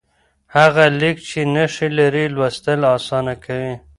هغه لیک چې نښې لري، لوستل اسانه کوي.